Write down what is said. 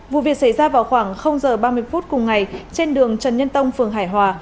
vụ việc xảy ra vào khoảng h ba mươi phút cùng ngày trên đường trần nhân tông phường hải hòa